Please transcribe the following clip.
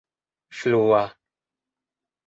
flua